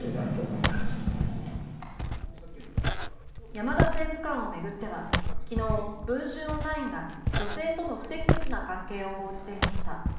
山田政務官を巡っては昨日、文春オンラインが女性との不適切な関係を報じていました。